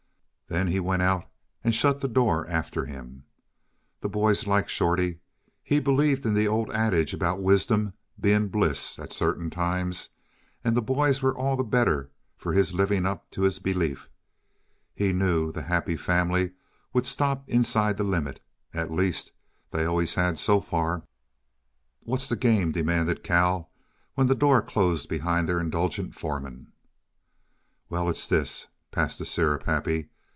Then he went out and shut the door after him. The boys liked Shorty; he believed in the old adage about wisdom being bliss at certain times, and the boys were all the better for his living up to his belief. He knew the Happy Family would stop inside the limit at least, they always had, so far. "What's the game?" demanded Cal, when the door closed behind their indulgent foreman. "Why, it's this. (Pass the syrup, Happy.)